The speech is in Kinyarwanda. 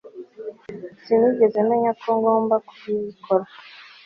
Sinigeze menya ko ngomba kubikora